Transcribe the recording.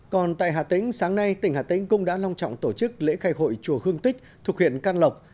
còn tại hà tĩnh sáng nay tỉnh hà tĩnh cũng đã long trọng tổ chức lễ khai hội chùa hương tích thuộc huyện can lộc